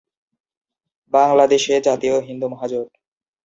বাংলাদেশে জাতীয় হিন্দু মহাজোট।